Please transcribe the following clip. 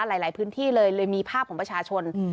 หลายพื้นที่เลยเลยมีภาพของประชาชน